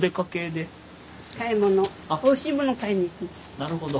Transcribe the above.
なるほど。